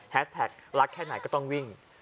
แท็กรักแค่ไหนก็ต้องวิ่ง